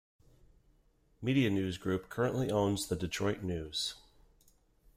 MediaNews Group currently owns "The Detroit News".